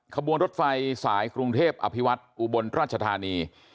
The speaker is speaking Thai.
ขบวนรถไฟสายกรุงเทพอภิวัฒน์อุบลราชธานี